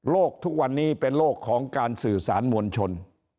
ทุกวันนี้เป็นโลกของการสื่อสารมวลชน